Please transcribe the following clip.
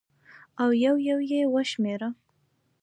او یو یو یې وشمېره